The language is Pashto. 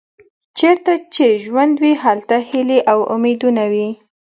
چیرته چې ژوند وي هلته هیلې او امیدونه وي.